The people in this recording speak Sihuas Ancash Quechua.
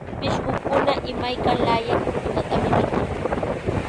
Pishqukunaqa imayka laaya kurukunatami mikun.